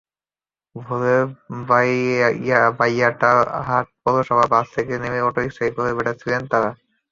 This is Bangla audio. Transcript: ভোরে বারইয়ারহাট পৌর বাজারে বাস থেকে নেমে অটোরিকশায় করে বাড়িতে যাচ্ছিলেন তাঁরা।